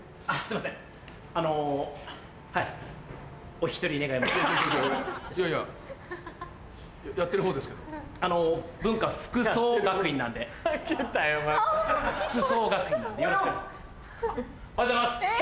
おはようございます。